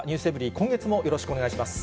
今月もよろしくお願いします。